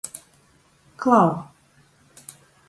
Klau!